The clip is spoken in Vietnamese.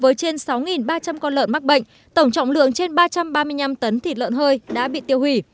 với trên sáu ba trăm linh con lợn mắc bệnh tổng trọng lượng trên ba trăm ba mươi năm tấn thịt lợn hơi đã bị tiêu hủy